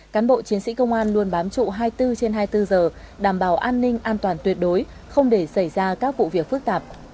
cán bộ chiến sĩ công an luôn bám trụ hai mươi bốn trên hai mươi bốn giờ đảm bảo an ninh an toàn tuyệt đối không để xảy ra các vụ việc phức tạp